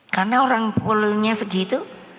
karena orang pulau nya segitu